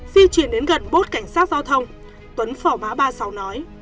di chuyển đến gần bốt cảnh sát giao thông tuấn phỏ bá ba mươi sáu nói